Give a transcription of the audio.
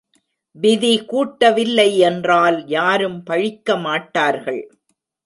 விதி கூட்டவில்லை என்றால் யாரும் பழிக்க மாட்டார்கள்.